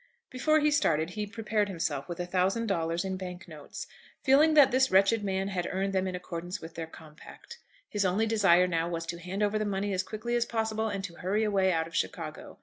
Before he started he prepared himself with a thousand dollars in bank notes, feeling that this wretched man had earned them in accordance with their compact. His only desire now was to hand over the money as quickly as possible, and to hurry away out of Chicago.